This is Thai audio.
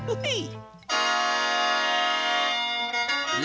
อุ๊ย